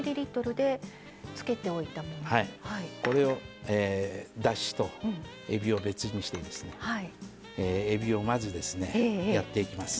これをだしとえびを別にしてえびをまずですねやっていきます。